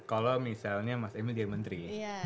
kalau misalnya mas emil jadi menteri